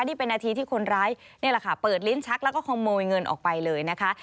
นี่เป็นอาทิตย์ที่คนร้ายเปิดลิ้นชักแล้วก็ขโมยเงินออกไปเลยนะคะ